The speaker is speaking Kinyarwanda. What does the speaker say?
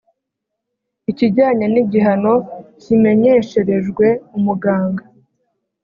ikijyanye n’igihano kimenyesherejwe umuganga